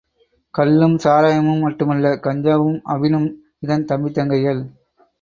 கள்ளும் சாராயமும் மட்டுமல்ல கஞ்சாவும் அபினும் இதன் தம்பி தங்கைகள்.